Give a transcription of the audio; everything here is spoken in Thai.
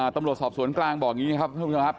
ตำรวจสอบสวนกลางบอกอย่างงี้ครับ